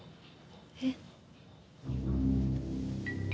えっ？